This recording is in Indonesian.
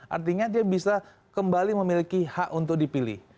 artinya dia bisa kembali memiliki hak untuk dipilih